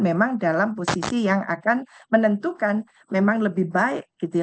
memang dalam posisi yang akan menentukan memang lebih baik gitu ya